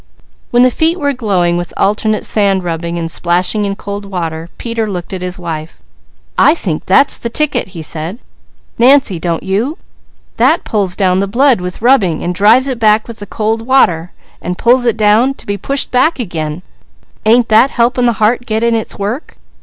When the feet were glowing with alternate sand rubbing and splashing in cold water, Peter looked at his wife. "I think that's the ticket!" he said. "Nancy, don't you? That pulls down the blood with rubbing, and drives it back with cold water, and pulls it down, to be pushed back again ain't that helping the heart get in its work?